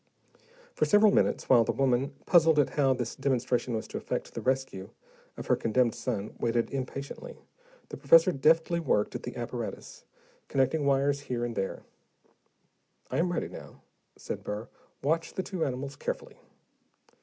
For several minutes, while the woman, puzzled at how this demonstration was to affect the rescue of her condemned son, waited impatiently, the professor deftly worked at the apparatus, connecting wires here and there. "I am ready now," said Burr. "Watch the two animals carefully."